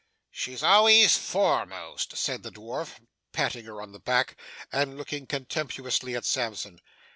'She's always foremost!' said the dwarf, patting her on the back and looking contemptuously at Sampson.